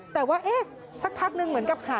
แต่ว่าสักพักนึงเหมือนกับหา